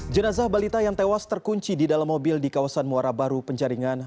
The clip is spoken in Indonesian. jenazah balita yang tewas terkunci di dalam mobil di kawasan muara baru penjaringan